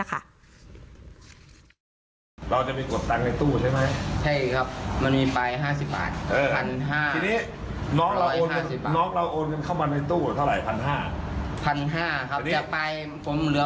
บัตรธนาคารไทยภากนิตุ